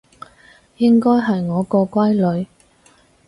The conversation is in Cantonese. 應該係我個乖女